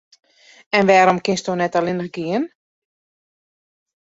En wêrom kinsto net allinnich gean?